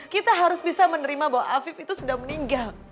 kita harus bisa menerima bahwa afif itu sudah meninggal